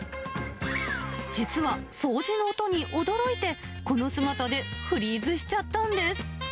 実は掃除の音に驚いて、この姿でフリーズしちゃったんです。